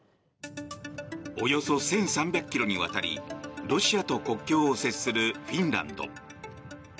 およそ１３００ｋｍにわたりロシアと国境を接するフィンランド。